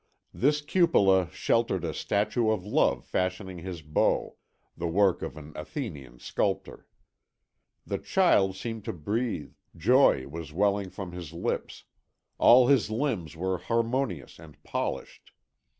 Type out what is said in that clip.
This cupola sheltered a statue of Love fashioning his bow, the work of an Athenian sculptor. The child seemed to breathe, joy was welling from his lips, all his limbs were harmonious and polished.